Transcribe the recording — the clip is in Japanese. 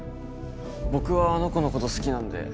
僕はあの子のこと好きなんで。